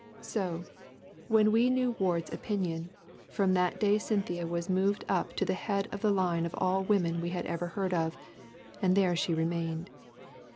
So, when we knew Ward's opinion, from that day Cynthia was moved up to the head of the line of all the women we had ever heard of, and there she remained.